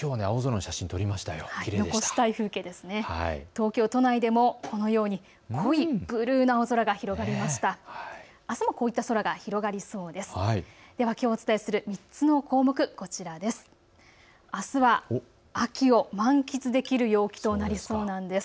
あすもこういった空が広がりそうです。